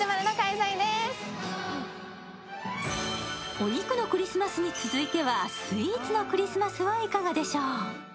お肉のクリスマスに続いてはスイーツのクリスマスはいかがでしょう。